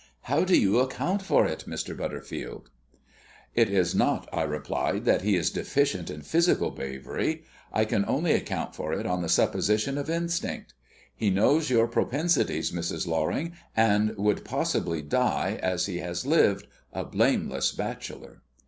How do you account for it, Mr. Butterfield?" "It is not," I replied, "that he is deficient in physical bravery. I can only account for it on the supposition of instinct. He knows your propensities, Mrs. Loring, and would possibly die as he has lived, a blameless bachelor."